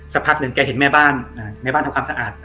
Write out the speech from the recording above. สักพักหนึ่งแกเห็นแม่บ้านในบ้านทำความสะอาด